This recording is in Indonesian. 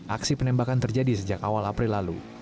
aksi penembakan terjadi sejak awal april lalu